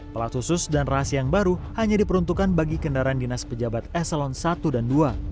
pelat khusus dan rahasia yang baru hanya diperuntukkan bagi kendaraan dinas pejabat eselon satu dan dua